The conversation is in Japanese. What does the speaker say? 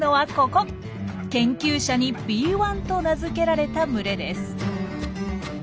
研究者に「Ｂ１」と名付けられた群れです。